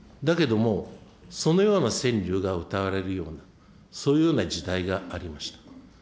だけども、そのような川柳がうたわれるような、そういうような時代がありました。